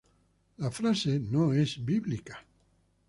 La frase no es bíblica.